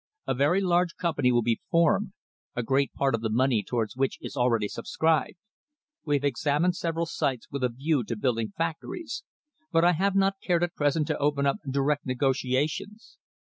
A very large company will be formed, a great part of the money towards which is already subscribed. We have examined several sites with a view to building factories, but I have not cared at present to open up direct negotiations.